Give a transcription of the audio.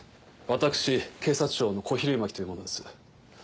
私警察庁の小比類巻という者です。